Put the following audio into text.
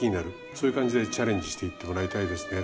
そういう感じでチャレンジしていってもらいたいですね。